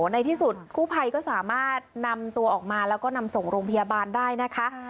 ในที่สุดกู้ภัยก็สามารถนำตัวออกมาแล้วก็นำส่งโรงพยาบาลได้นะคะ